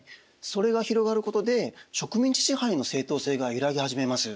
それが広がることで植民地支配の正当性が揺らぎ始めます。